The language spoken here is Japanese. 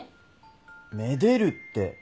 めでるって。